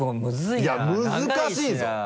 いや難しいぞ！